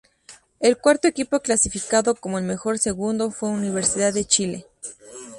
El cuarto equipo clasificado como el mejor segundo fue Universidad de Chile.